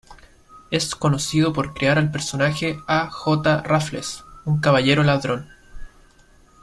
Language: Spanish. Es conocido por crear al personaje A. J. Raffles, un caballero ladrón.